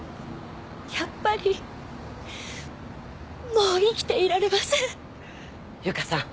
やっぱりもう生きていられません由香さん